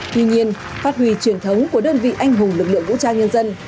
tuy nhiên phát huy truyền thống của đơn vị anh hùng lực lượng vũ trang nhân dân